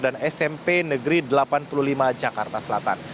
dan smp negeri delapan puluh lima jakarta selatan